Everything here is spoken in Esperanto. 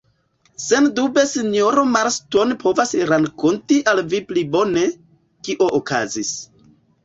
Sendube sinjoro Marston povos rakonti al vi pli bone, kio okazis.